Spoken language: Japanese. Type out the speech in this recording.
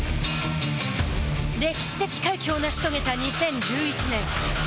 歴史的快挙を成し遂げた２０１１年。